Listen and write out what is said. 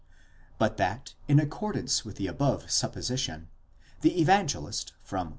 But that in accordance with the above supposition, the Evangelist from v.